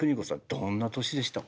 どんな年でしたか？